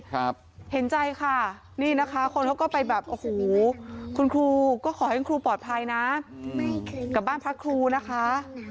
เห็นใจค่ะนี่นะคะคนเขาก็ไปแบบโอ้โหคุณครูก็ขอให้คุณครูปลอดภัยนะกับบ้านพระครูนะคะ